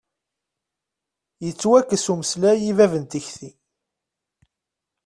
Yettwakkes umeslay i bab n tikti.